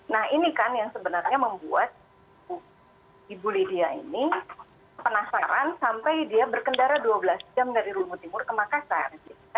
nah ini kan yang sebenarnya membuat ibu lydia ini penasaran sampai dia berkendara dua belas jam dari rumu timur ke makassar